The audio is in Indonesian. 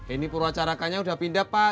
ini perwacarakannya udah pindah pak